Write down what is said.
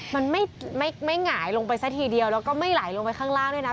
มันไม่หงายลงไปซะทีเดียวแล้วก็ไม่ไหลลงไปข้างล่างด้วยนะ